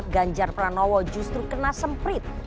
ganjar pranowo justru kena semprit